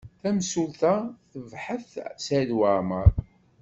Tamsulta tebḥet Saɛid Waɛmaṛ.